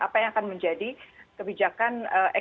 apa yang akan menjadi kebijaksanaan